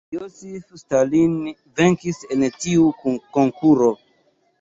Josif Stalin venkis en tiu konkuro.